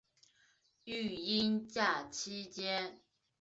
育婴假期间